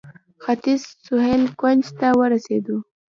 ختیځ سهیل کونج ته ورسېدو.